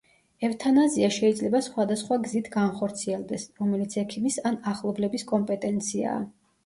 ევთანაზია შეიძლება სხვადასხვა გზით განხორციელდეს, რომელიც ექიმის ან ახლობლების კომპეტენციაა.